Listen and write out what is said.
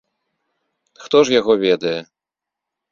Хто ж яго ведае.